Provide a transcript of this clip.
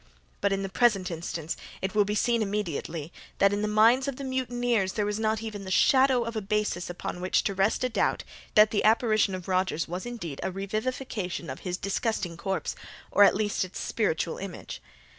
But, in the present instance, it will be seen immediately, that in the minds of the mutineers there was not even the shadow of a basis upon which to rest a doubt that the apparition of Rogers was indeed a revivification of his disgusting corpse, or at least its spiritual image.